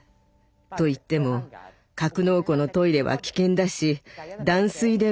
と言っても格納庫のトイレは危険だし断水で水も出ませんでした。